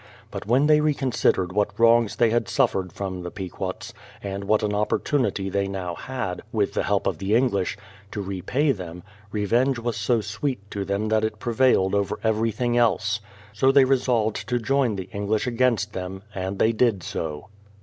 But when they reconsidered what wrongs they had suffered from the Pequots, and what an oppor tunity they now had, with the help of the English, to repay them, revenge was so sweet to them that it prevailed over everything else. So they resolved to join the English against them ; and they did so.